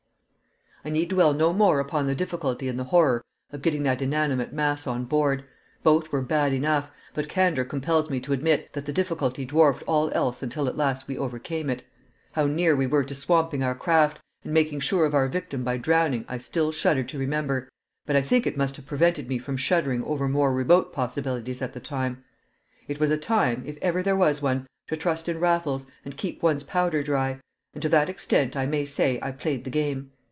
I need dwell no more upon the difficulty and the horror of getting that inanimate mass on board; both were bad enough, but candour compels me to admit that the difficulty dwarfed all else until at last we overcame it. How near we were to swamping our craft, and making sure of our victim by drowning, I still shudder to remember; but I think it must have prevented me from shuddering over more remote possibilities at the time. It was a time, if ever there was one, to trust in Raffles and keep one's powder dry; and to that extent I may say I played the game.